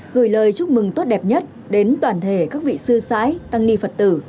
gửi lời chúc mừng tốt đẹp nhất đến toàn thể các vị sư sãi tăng ni phật tử